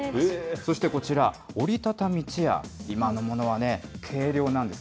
そしてこちら、折り畳みチェア、今のものはね、軽量なんです。